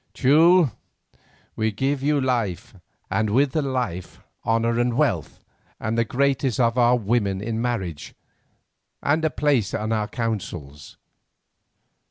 Teule, we give you life, and with the life honour and wealth, and the greatest of our women in marriage, and a place in our councils.